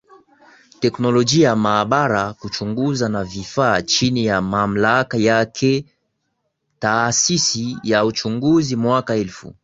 teknolojia maabara kuchunguza na vifaa chini ya mamlaka yakeTaasisi ya Uchunguzi mwaka elfu